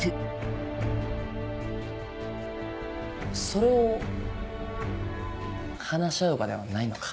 それを話し合う場ではないのか？